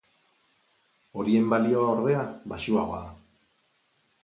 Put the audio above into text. Horien balioa, ordea, baxuagoa da.